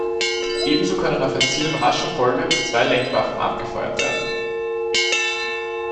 Ebenso können auf ein Ziel in rascher Folge zwei Lenkwaffen abgefeuert werden.